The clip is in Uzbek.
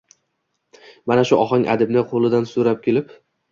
Mana shu ohang adibni qo’lidan sudrab kelib